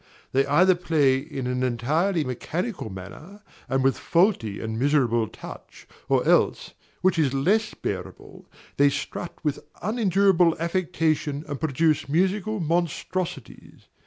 They either play in an entirely mechanical manner and with faulty and miserable touch, or else, which is less bearable, they strut with unendurable affectation and produce musical monstrosities.